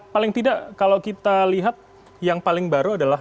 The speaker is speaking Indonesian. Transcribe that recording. paling tidak kalau kita lihat yang paling baru adalah